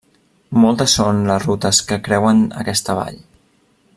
Moltes són les rutes que creuen aquesta vall.